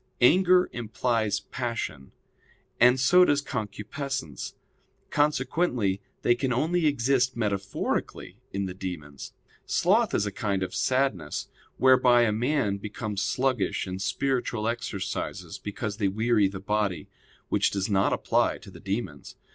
Anger implies passion, and so does concupiscence; consequently they can only exist metaphorically in the demons. Sloth is a kind of sadness, whereby a man becomes sluggish in spiritual exercises because they weary the body; which does not apply to the demons.